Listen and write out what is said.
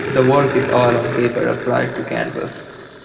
The work is oil on paper applied to canvas.